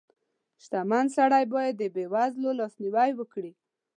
• شتمن سړی باید د بېوزلو لاسنیوی وکړي.